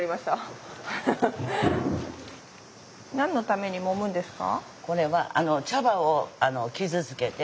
何のためにもむんですか？